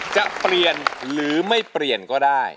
จะเปลี่ยนหรือไม่เปลี่ยนก็ได้